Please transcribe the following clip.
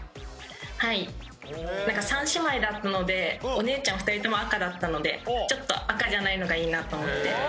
なんか三姉妹だったのでお姉ちゃんは２人とも赤だったのでちょっと赤じゃないのがいいなと思って。